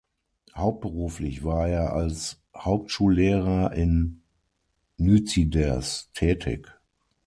Hauptberuflich war er als Hauptschullehrer in Nüziders tätig.